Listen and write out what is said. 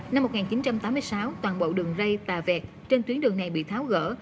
năm một nghìn chín trăm tám mươi sáu toàn bộ đường rây bà vẹt trên tuyến đường này bị tháo gỡ